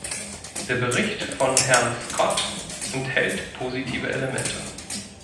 Der Bericht von Herrn Scott enthält positive Elemente.